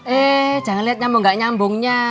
eh jangan lihat nyambung gak nyambungnya